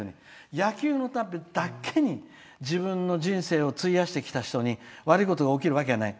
野球のためだけに自分の人生を費やしてきた人生に悪いことが起きるわけがない。